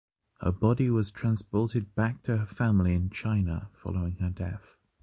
Her body was transported back to her family in China following her death.